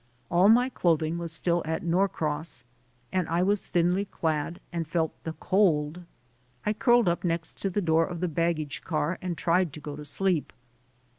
All my clothing was still at Norcross, and I was thinly clad and felt the cold. I curled up next to the door of the baggage car and tried to go to sleep.